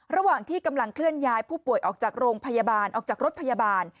ระหว่างที่กำลังเคลื่อนย้ายผู้ป่วยออกจากโรงพยาบาลออกจากรถพยาบาล